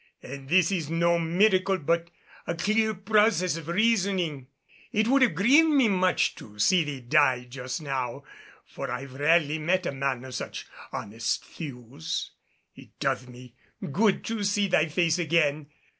And this is no miracle but a clear process of reasoning. It would have grieved me much to see thee die just now, for I have rarely met a man of such honest thews. It doth me good to see thy face again.